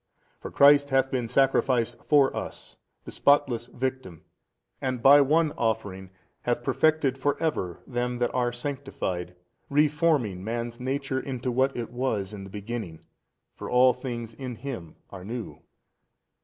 For Christ hath been sacrificed for us, the spotless Victim, and by One offering hath perfected for ever them that are sanctified, re forming man's nature into what it was in the beginning: for all things in Him are new.